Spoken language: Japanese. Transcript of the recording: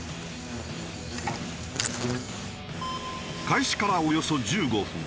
開始からおよそ１５分。